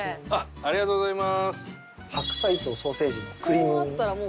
ありがとうございます。